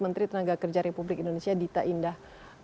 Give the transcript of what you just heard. menteri tenaga kerja republik indonesia dita indah